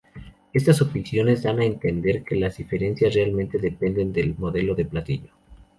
Estas opiniones dan a entender que las diferencias realmente dependen del modelo de platillo.